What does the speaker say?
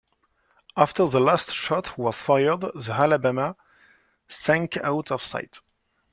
After the last shot was fired the "Alabama" sank out of sight.